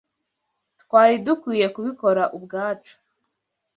Twari dukwiye kubikora ubwacu.